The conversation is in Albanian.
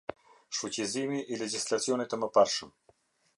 Shfuqizimi i legjislacionit të mëparshëm.